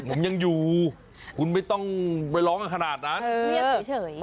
ผมยังอยู่คุณไม่ต้องไปร้องกันขนาดนั้น